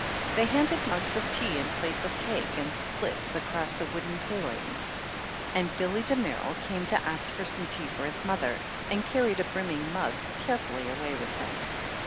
They handed mugs of tea and plates of cake and splits across the wooden palings, and Billy Damerel came to ask for some tea for his mother, and carried a brimming mug carefully away with him.